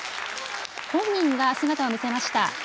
本人が姿を見せました。